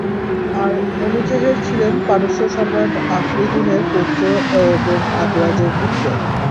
আর Manuchehr ছিলেন পারস্য সম্রাট আফরীদূনের পৌত্র এবং আবরাজের পুত্র।